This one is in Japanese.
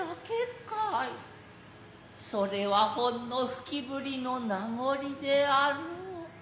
それはほんの吹降りの余波であらう。